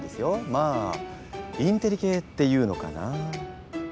まあインテリ系っていうのかな。